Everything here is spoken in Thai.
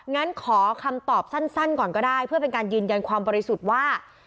งั้นขอคำตอบสั้นก่อนก็ได้เพื่อเป็นการยืนยันความบริสุทธิ์ว่า